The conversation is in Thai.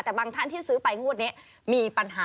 แต่บางท่านที่ซื้อไปงวดนี้มีปัญหา